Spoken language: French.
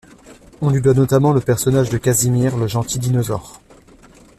On lui doit notamment le personnage de Casimir, le gentil dinosaure.